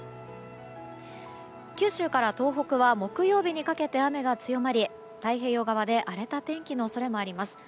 九州から東北は木曜日にかけて雨が強まり太平洋側で荒れた天気の恐れもあります。